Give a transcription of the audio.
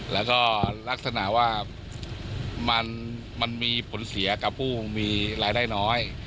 แล้วก็ลักษณะว่ามันมีผลเสียกับผู้มีรายได้น้อย